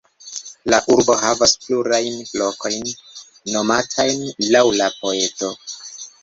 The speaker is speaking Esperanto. La urbo havas plurajn lokojn nomatajn laŭ la poeto.